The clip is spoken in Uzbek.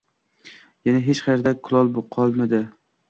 Yana hech qayerda kulol qoldimi